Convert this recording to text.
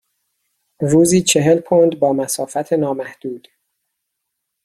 روزی چهل پوند با مسافت نامحدود.